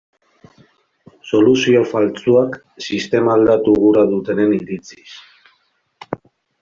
Soluzio faltsuak, sistema aldatu gura dutenen iritziz.